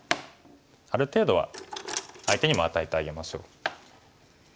ある程度は相手にも与えてあげましょう。